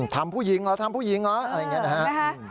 ทำผู้หญิงหรอทำผู้หญิงหรอ